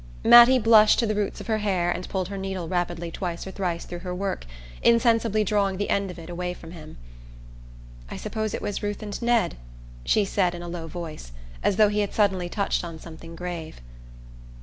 Mattie blushed to the roots of her hair and pulled her needle rapidly twice or thrice through her work, insensibly drawing the end of it away from him. "I suppose it was Ruth and Ned," she said in a low voice, as though he had suddenly touched on something grave.